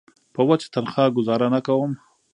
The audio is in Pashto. په وچه تنخوا ګوزاره نه کوم.